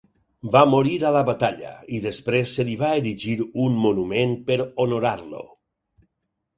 Va morir a la batalla, i després se li va erigir un monument per honorar-lo.